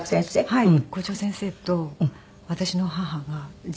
はい。